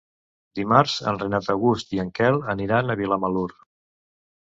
Dimarts en Renat August i en Quel aniran a Vilamalur.